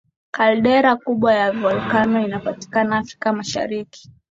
caldera kubwa ya volkeno inapatikana afrika mashariki